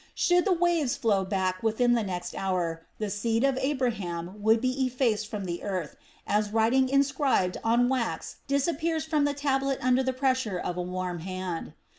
Should the waves flow back within the next hour, the seed of Abraham would be effaced from the earth, as writing inscribed on wax disappears from the tablet under the pressure of a warm hand.